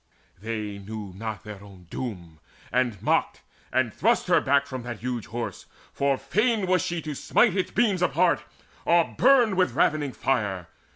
They knew not their own doom, And mocked, and thrust her back from that huge Horse For fain she was to smite its beams apart, Or burn with ravening fire.